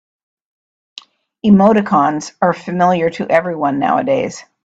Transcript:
Emoticons are familiar to everyone nowadays.